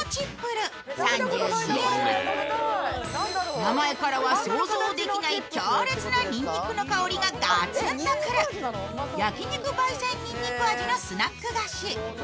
名前からは想像できない強烈なにんにくの香りがガツンと来る、焼き肉ばい煎にんにく味のスナック菓子。